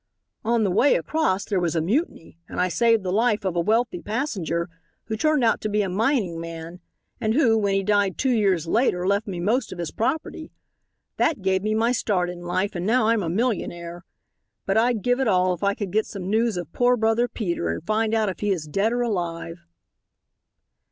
"On the way across there was a mutiny and I saved the life of a wealthy passenger, who turned out to be a mining man and who, when he died two years later, left me most of his property. That gave me my start in life, and now I'm a millionaire. But I'd give it all if I could get some news of poor brother Peter and find out if he is dead or alive."